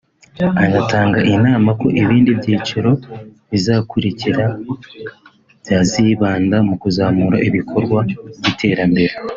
anatanga inama ko ibindi byiciro bizakurikira byazibanda mu kuzamura ibikorwa by’iterambere